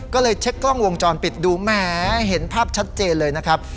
ก็เลยเช็คกล้องวงจรปิดดูแหมเห็นภาพชัดเจนเลยนะครับ